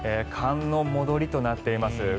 寒の戻りとなっています。